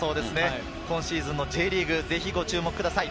今シーズンのＪリーグ、ぜひご注目ください。